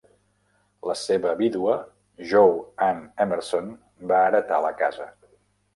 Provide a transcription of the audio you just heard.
La seva vídua, Jo Ann Emerson, va heretar la Casa.